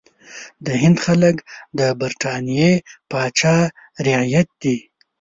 د هند خلک د برټانیې پاچا رعیت دي.